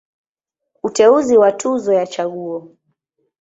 Uteuzi wa Tuzo ya Chaguo.